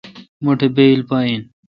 مٹھ بایل پا این۔